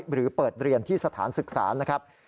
หรือเปิดเรียนที่สถานศึกษานะครับ